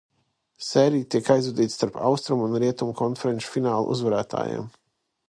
Sērija tiek aizvadīta starp Austrumu un Rietumu konferenču finālu uzvarētājiem.